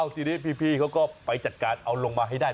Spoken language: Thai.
ทีนี้พี่เขาก็ไปจัดการเอาลงมาให้ได้